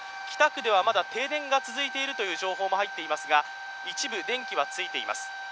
北区ではまだ停電が続いているという情報も入っていますが一部電気はついています。